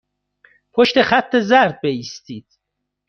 پشت خط زرد بایستید.